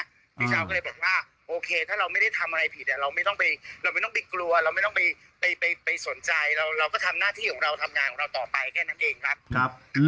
พี่เช้าก็เลยบอกว่าโอเคถ้าเราไม่ได้ทำอะไรผิดเราไม่ต้องไปเราไม่ต้องไปกลัวเราไม่ต้องไปสนใจเราก็ทำหน้าที่ของเราทำงานของเราต่อไปแค่นั้นเองครับ